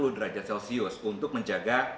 enam puluh derajat celcius untuk menjaga